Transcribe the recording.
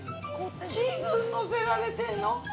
チーズのせられてるの？